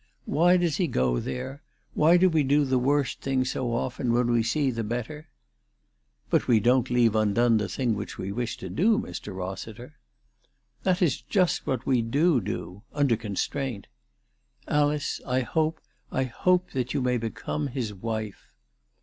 Why does he go there ? Why do we do the worst thing so often, when we see the better ?"" But we don't leave undone the thing which we wish to do, Mr. Rossiter." "That is just what we do do, under constraint. Alice, I hope, I hope that you may become his wife."